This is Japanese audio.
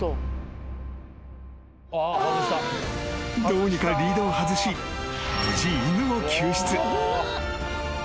［どうにかリードを外し無事犬を］